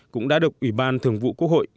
cũng đã được ủy ban thường vụ quốc hội